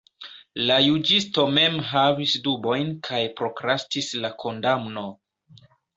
La juĝisto mem havis dubojn kaj prokrastis la kondamno.